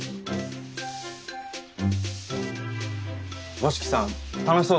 五色さん楽しそうだね。